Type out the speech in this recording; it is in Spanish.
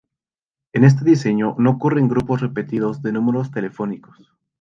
En este diseño no ocurren grupos repetidos de números telefónicos.